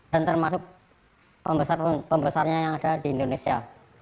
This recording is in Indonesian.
dan termasuk pembesarnya yang ada di indonesia